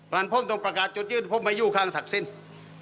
ก่อนผมต้องประกาศจุดยืนผมไม่อยู่ข้างทักศิลป์